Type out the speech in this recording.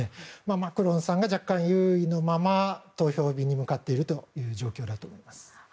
マクロンさんが若干優位のまま投票日に向かっている状況だと思います。